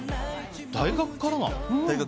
大学からなの？